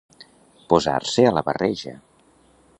Posar-se a la barreja.